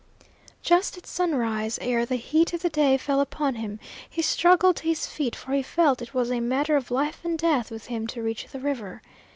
Just at sunrise, ere the heat of the day fell upon him, he struggled to his feet, for he felt it was a matter of life and death with him to reach the river.